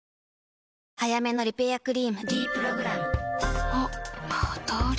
早めのリペアクリーム「ｄプログラム」あっ肌あれ？